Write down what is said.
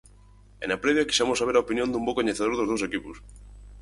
E na previa quixemos saber a opinión dun bo coñecedor dos dous equipos.